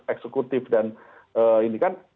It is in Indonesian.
eksekutif dan ini kan